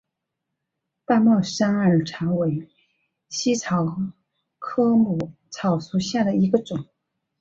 大帽山耳草为茜草科耳草属下的一个种。